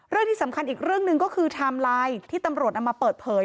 เรื่องที่สำคัญอีกเรื่องหนึ่งก็คือไทม์ไลน์ที่ตำรวจนำมาเปิดเผย